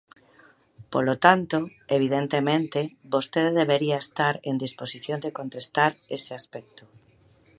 Polo tanto, evidentemente, vostede debería estar en disposición de contestar ese aspecto.